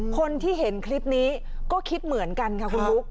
คนที่เห็นคลิปนี้ก็คิดเหมือนกันค่ะคุณบุ๊ค